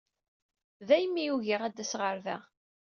Daymi ugiɣ ad d-aseɣ ɣer da.